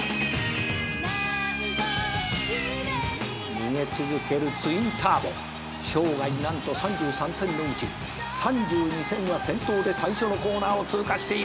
「逃げ続けるツインターボ」「生涯何と３３戦中３２戦が先頭で最初のコーナーを通過している」